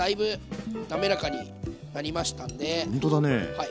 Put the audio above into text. はい。